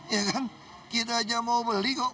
ya kan kita aja mau beli kok